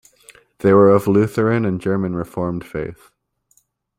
They were of Lutheran and German reformed faith.